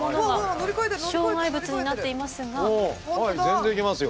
全然行けますよ。